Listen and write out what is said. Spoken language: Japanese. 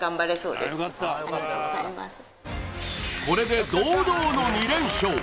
これで堂々の２連勝